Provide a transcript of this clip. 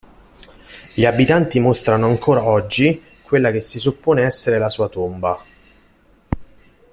Gli abitanti mostrano ancor oggi quella che si suppone essere la sua tomba.